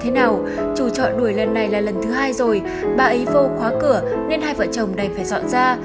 thế nào chủ trọ đùi lần này là lần thứ hai rồi bà ấy vô khóa cửa nên hai vợ chồng đầy phải dọn ra